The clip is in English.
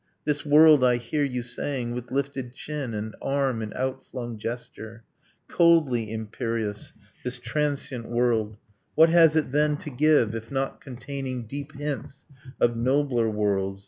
. This world, I hear you saying, With lifted chin, and arm in outflung gesture, Coldly imperious, this transient world, What has it then to give, if not containing Deep hints of nobler worlds?